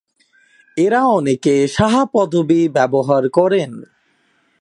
এরা অনেকে সাহা পদবি ব্যবহার করেন।